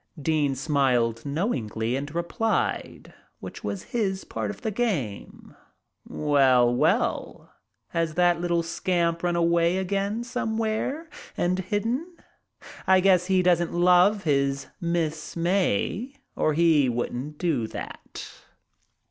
Dean smiled knowingly and replied, which was his part of the game: "Well, well, has that little scamp run away again somewhere, and hidden? I guess he doesn't love his Miss May or he wouldn't do that."